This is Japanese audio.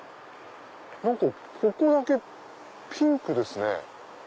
ここだけピンクですね。